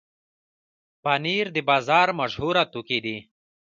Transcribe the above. پنېر د بازار مشهوره توکي دي.